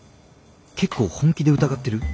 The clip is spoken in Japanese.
結構本気で疑ってる？